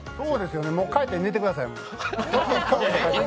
もう帰って寝てください。